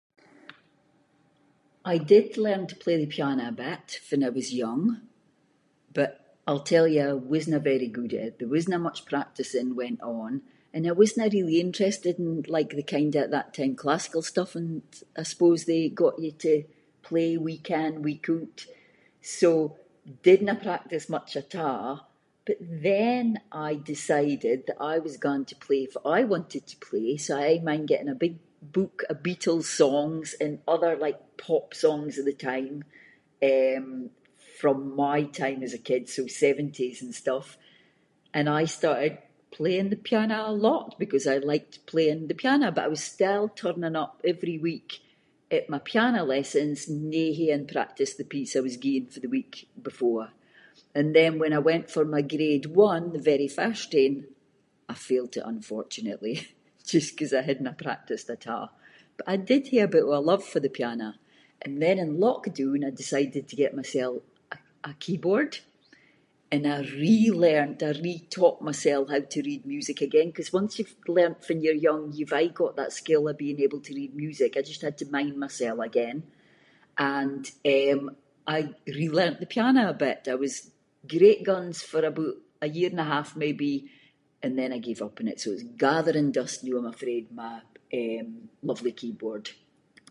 I did learn to play the piano a bit, fann I was young, but I’ll tell you I wasnae very good at it, there wasnae much practising went on, and I wasnae really interested in like the kind of at that time classical stuff and I suppose they got you to play, week in week oot. So, didnae practice much at a’, but then I decided that I was going to play fitt I wanted to play, so I aie mind getting a big book of Beatles songs and other like pop songs of the time, eh, from my time as a kid, so seventies and stuff, and I started playing the piano a lot, because I liked playing the piano, but I was still turning up every week at my piano lessons, no haeing practiced the piece I was gien fae the week before. And then, when I went for my grade one, the very first ain, I failed it, unfortunately, just ‘cause I hadnae practiced at a’, but I did hae a bit of a love for the piano. And then, in lockdoon I decided to get myself a- a keyboard, and I re-learned, I re-taught mysel how to read music again, ‘cause once you’ve learnt fann you’re young, you’ve aie got that skill of being able to read music, I just had to mind mysel again, and eh, I re-learnt the piano a bit. I was great guns for aboot a year and a half, maybe, and then I gave up on it, so it’s gathering dust noo I’m afraid my, eh, lovely keyboard.